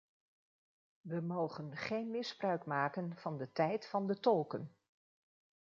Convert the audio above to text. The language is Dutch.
We mogen geen misbruik maken van de tijd van de tolken.